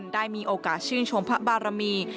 ได้มีโอกาสชื่นชมพระบารมี